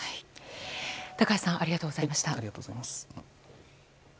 高橋さんありがとうございました。